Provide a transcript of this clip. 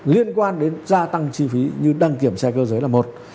liên quan đến gia tăng chi phí như đăng kiểm xe cơ giới là một